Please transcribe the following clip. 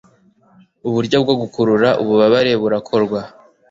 Uburyo bwo gukurura ububabare burakorwa